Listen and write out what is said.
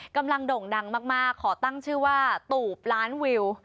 โด่งดังมากขอตั้งชื่อว่าตูบล้านวิว